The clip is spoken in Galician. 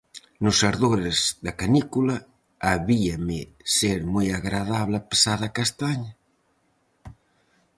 Nos ardores da canícula: habíame ser moi agradable a pesada castaña?